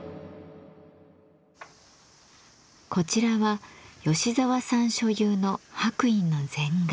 こちらは芳澤さん所有の白隠の禅画。